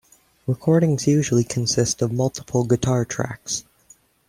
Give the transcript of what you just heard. Recordings usually consist of multiple guitar tracks.